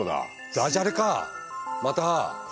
ダジャレかまた。